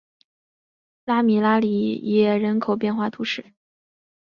拉米拉里耶人口变化图示